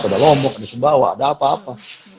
ada lombok ada sumbawa ada apa apa